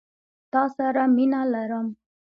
تا سره مينه لرم.